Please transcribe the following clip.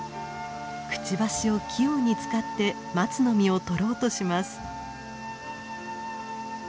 くちばしを器用に使ってマツの実を取ろうとします。